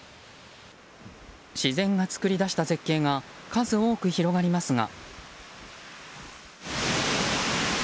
自然が作り出した絶景が数多く広がりますが。